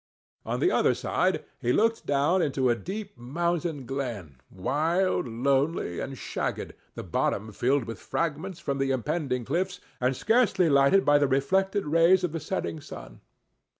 On the other side he looked down into a deep mountain glen, wild, lonely, and shagged, the bottom filled with fragments from the impending cliffs, and scarcely lighted by the reflected rays of the setting sun.